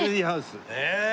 へえ。